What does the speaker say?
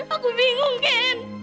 aku bingung ken